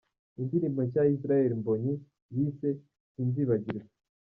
Indirimbo nshya ya Israel Mbonyi yise ’Sinzibagirwa’